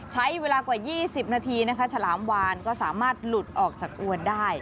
ใช้เวลากว่า๒๐นาทีนะคะฉลามวานก็สามารถหลุดออกจากอวนได้